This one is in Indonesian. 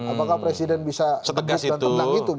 apakah presiden bisa gebuk dan tendang itu